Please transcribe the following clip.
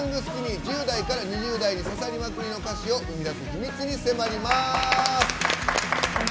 １０代から２０代に刺さりまくりの歌詞を生み出す秘密に迫ります。